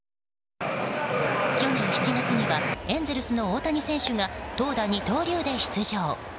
去年７月にはエンゼルスの大谷選手が投打二刀流で出場。